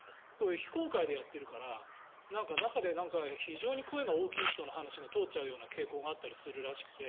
非公開でやってるから中で非常に声の大きい人の意見が通っちゃうような傾向があったりするらしくて